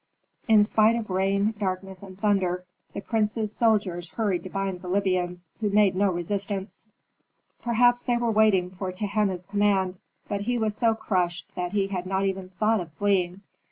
In spite of rain, darkness, and thunder the prince's soldiers hurried to bind the Libyans, who made no resistance. Perhaps they were waiting for Tehenna's command, but he was so crushed that he had not even thought of fleeing.